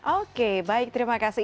oke baik terima kasih